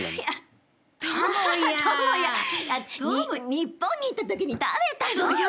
日本に行った時に食べたのよ。